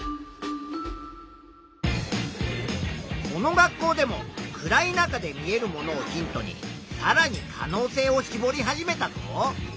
この学校でも暗い中で見えるものをヒントにさらに可能性をしぼり始めたぞ。